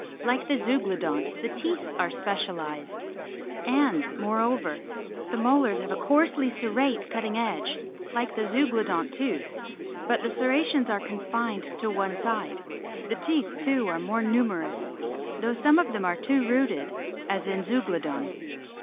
Like the Zeuglodonts the teeth are specialised ; and, moreover, the molars have a coarsely serrate cutting edge like the Zeuglodont tooth, but the serrations are confined to one side. The teeth too are more numerous, though some of them are two rooted as in Zeuglodon.